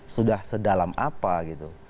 sudah sedalam apa gitu